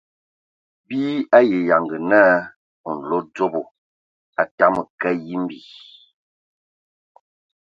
Bii ayi yanga naa nlodzobo a tamǝ ka yimbi.